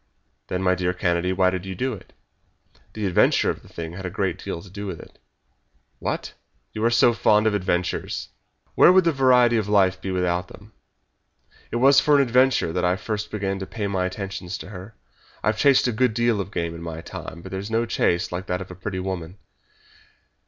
"Then, my dear Kennedy, why did you do it?" "The adventure of the thing had a great deal to do with it." "What! You are so fond of adventures!" "Where would the variety of life be without them? It was for an adventure that I first began to pay my attentions to her. I've chased a good deal of game in my time, but there's no chase like that of a pretty woman.